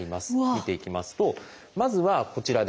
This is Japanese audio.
見ていきますとまずはこちらですね。